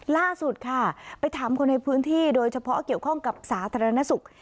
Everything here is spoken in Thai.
ล่าสุดค่ะไปถามคนในพื้นที่โดยเฉพาะเกี่ยวข้องกับสาธารณสุข